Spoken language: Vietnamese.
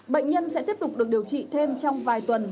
bệnh nhân sẽ tiếp tục được điều trị thêm trong vài tuần